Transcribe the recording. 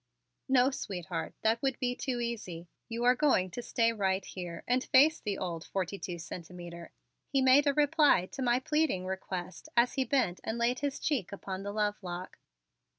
"No, sweetheart, that would be too easy. You are going to stay right here and face the old Forty Two Centimeter," he made a reply to my pleading request as he bent and laid his cheek upon the lovelock.